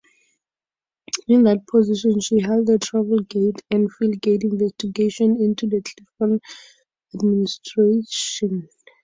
In that position, she led the Travelgate and Filegate investigations into the Clinton administration.